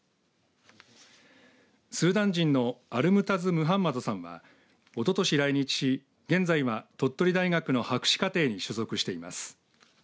スーダン人のアルムタズ・ムハンマドさんはおととし来日し、現在は鳥取大学の博士課程に所属しています。